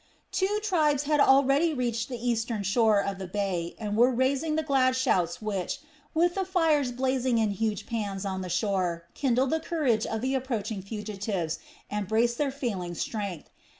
Two tribes had already reached the eastern shore of the bay and were raising the glad shouts which, with the fires blazing in huge pans on the shore, kindled the courage of the approaching fugitives and braced their failing strength.